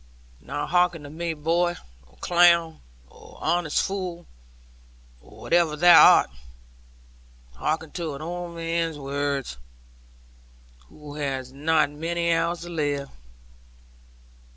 Now hearken to me, boy, or clown, or honest fool, or whatever thou art; hearken to an old man's words, who has not many hours to live.